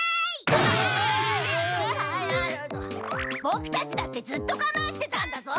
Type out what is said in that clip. ボクたちだってずっとがまんしてたんだぞ！